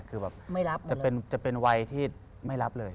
คือแบบจะเป็นวัยที่ไม่รับเลย